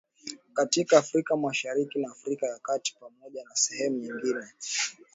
katika Afrika Mashariki na Afrika ya kati Pamoja na sehemu nyingine